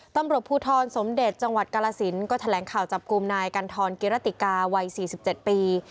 ตำรวจภูทรสมเด็จจังหวัดกาลสินก็แถลงข่าวจับกลุ่มนายกันทรกิรติกาวัย๔๗ปี